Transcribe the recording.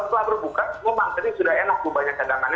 setelah berbuka memang jadi sudah enak tuh banyak cadangannya